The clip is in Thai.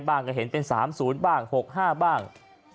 ก็เห็นเป็น๓๐บ้าง๖๕บ้าง